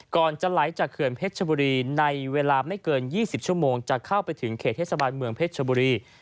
ก่อนจะไหลจากเขื่อนเพชรชบุรีในเวลาไม่เกิน๒๐ชั่วโมงจะเข้าไปถึงเขตเทศบาลเมืองเพชรชบุรี